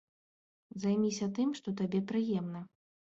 Займіся тым, што табе прыемна.